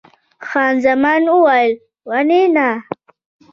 خان زمان وویل: ولې نه؟